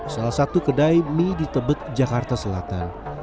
salah satu kedai mie di tebet jakarta selatan